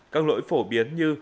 các lỗi phổ biến như